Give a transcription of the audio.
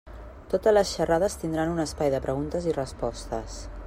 Totes les xerrades tindran un espai de preguntes i respostes.